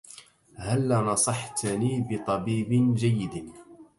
هلّا نصحتني بطبيب جيّد؟